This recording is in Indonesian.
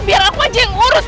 biar aku aja yang urus